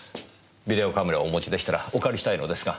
ビデオカメラをお持ちでしたらお借りしたいのですが。